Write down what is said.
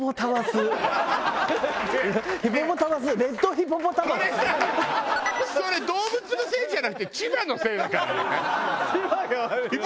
それさそれ動物のせいじゃなくて千葉のせいだからね？